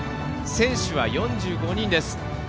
選手は４５人です。